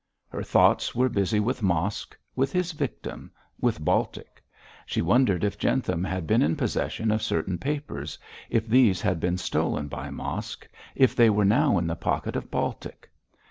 Her thoughts were busy with Mosk, with his victim, with Baltic; she wondered if Jentham had been in possession of certain papers, if these had been stolen by Mosk, if they were now in the pocket of Baltic.